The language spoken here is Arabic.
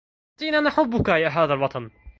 ديننا حبك يا هذا الوطن